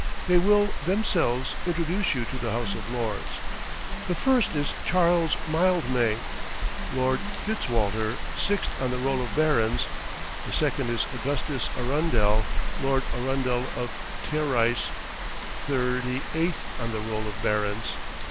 They will, themselves, introduce you to the House of Lords. The first is Charles Mildmay, Lord Fitzwalter, sixth on the roll of barons; the second is Augustus Arundel, Lord Arundel of Trerice, thirty eighth on the roll of barons."